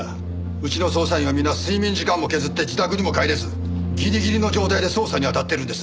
うちの捜査員は皆睡眠時間も削って自宅にも帰れずギリギリの状態で捜査に当たってるんです。